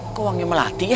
aku memang melatih ya